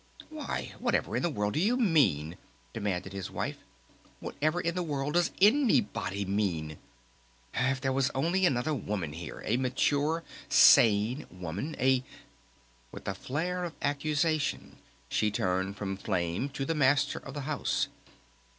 "Why, whatever in the world do you mean?" demanded his wife. "Whatever in the world does anybody mean? If there was only another woman here! A mature ... sane woman! A " With a flare of accusation she turned from Flame to the Master of the House.